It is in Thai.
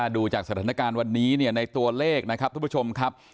ดูจากสถานการณ์วันนี้ในตัวเลขนะครับทุกผู้ชมครับ